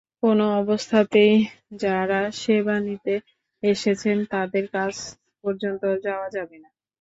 কোনো অবস্থাতেই যাঁরা সেবা নিতে এসেছেন, তাঁদের কাছ পর্যন্ত যাওয়া যাবে না।